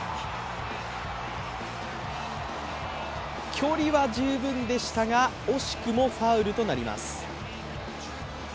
距離は十分でしたが、惜しくもファウルとなります。